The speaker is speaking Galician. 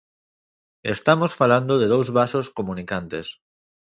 Estamos falando de dous vasos comunicantes.